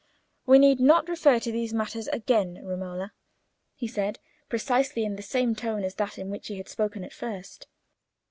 "We need not refer to these matters again, Romola," he said, precisely in the same tone as that in which he had spoken at first.